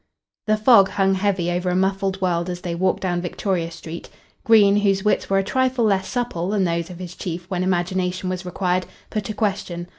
The fog hung heavy over a muffled world as they walked down Victoria Street. Green, whose wits were a trifle less supple than those of his chief when imagination was required, put a question.